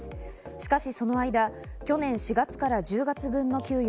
しかしその間、去年４月から１０月分の給与